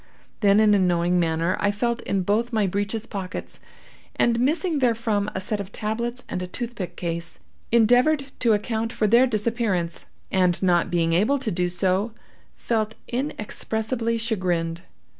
Then, in a knowing manner, I felt in both my breeches pockets, and, missing therefrom a set of tablets and a toothpick case, endeavored to account for their disappearance, and not being able to do so, felt inexpressibly chagrined.